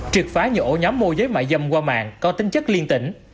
triệt phá nhiều ổ nhóm mua giới mạng dâm qua mạng có tính chất liên tĩnh